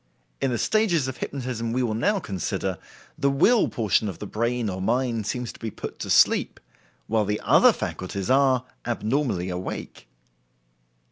In the stages of hypnotism we will now consider, the will portion of the brain or mind seems to be put to sleep, while the other faculties are, abnormally awake.